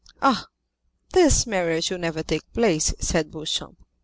'" "Ah, this marriage will never take place," said Beauchamp.